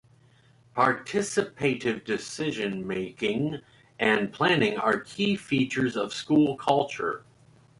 Participative decision making and planning are key features of school culture.